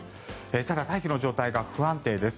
ただ、大気の状態が不安定です。